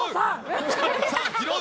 さあ拾う！